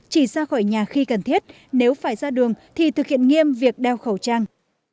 chỉ ra khỏi nhà khi cần thiết nếu phải ra đường thì thực hiện nghiêm việc đeo khẩu trang